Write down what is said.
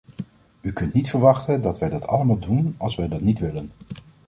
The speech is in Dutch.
U kunt niet verwachten dat wij dat allemaal doen als wij dat niet willen.